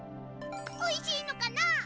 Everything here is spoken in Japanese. おいしいのかな？